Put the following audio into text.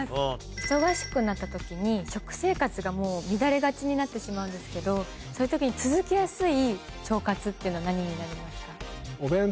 忙しくなった時に食生活がもう乱れがちになってしまうんですけどそういう時に続けやすい腸活っていうのは何になりますか？